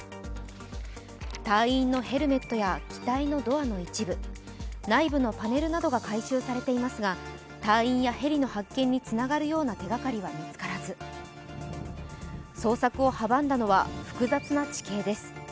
隊員のヘルメットや、機体のドアの一部、内部のパネルなどが回収されていますが隊員やヘリの発見につながるような手がかりは見つからず捜索を阻んだのは複雑な地形です。